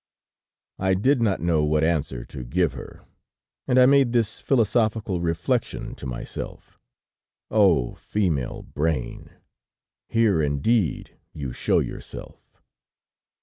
"I did not know what answer to give her, and I made this philosophical reflection to myself: 'Oh! female brain, here indeed you show yourself!'